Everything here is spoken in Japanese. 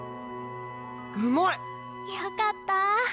うまい！よかった。